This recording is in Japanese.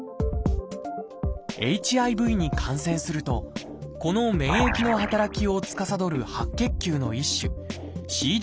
ＨＩＶに感染するとこの免疫の働きをつかさどる白血球の一種ＣＤ